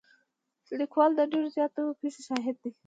لیکوال د ډېرو زیاتو پېښو شاهد دی.